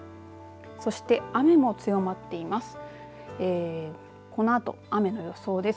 そして雨も強まっています。